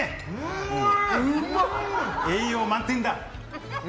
栄養満点だ！